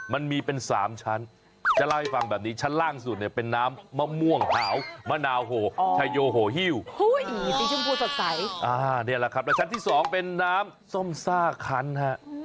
อ่านี่แหละครับแล้วชั้นที่สองเป็นน้ำส้มซ่าคันฮะ